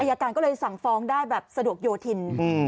อายการก็เลยสั่งฟ้องได้แบบสะดวกโยธิน